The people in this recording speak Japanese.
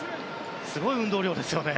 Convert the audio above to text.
すごい運動量ですね。